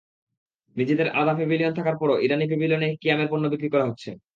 নিজেদের আলাদা প্যাভিলিয়ন থাকার পরও ইরানি প্যাভিলিয়নে কিয়ামের পণ্য বিক্রি করা হচ্ছে।